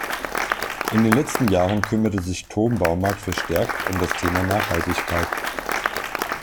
In den letzten Jahren kümmerte sich Toom Baumarkt verstärkt um das Thema Nachhaltigkeit.